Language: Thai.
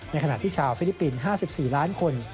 ขณะที่ชาวฟิลิปปินส์๕๔ล้านคน